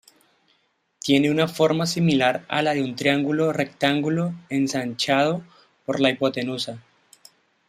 Tiene una forma similar a la de un triángulo rectángulo ensanchado por la hipotenusa.